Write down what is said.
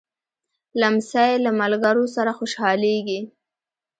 لمسی له ملګرو سره خوشحالېږي.